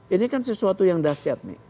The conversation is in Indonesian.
ini kan sesuatu yang dahsyat nih